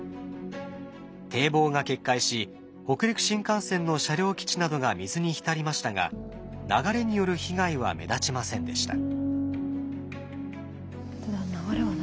堤防が決壊し北陸新幹線の車両基地などが水に浸りましたが流れによる被害は目立ちませんでした。